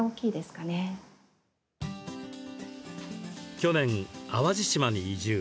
去年、淡路島に移住。